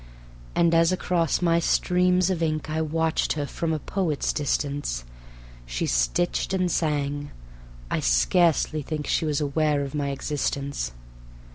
And as across my streams of ink I watched her from a poet's distance, She stitched and sang ... I scarcely think She was aware of my existence.